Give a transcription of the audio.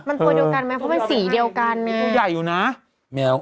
มันตัวเดียวกันไหมเพราะมันสีเดียวกันแมวตัวใหญ่อยู่นะแมว